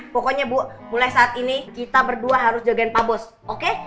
pokoknya bu mulai saat ini kita berdua harus jogene pub bos oke